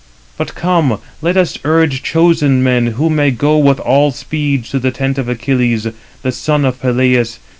But come, let us urge chosen men, who may go with all speed to the tent of Achilles, the son of Peleus.